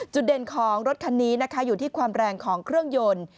จุดเด่นของรถคันนี้นะคะอยู่ที่ความแรงของเครื่องยนต์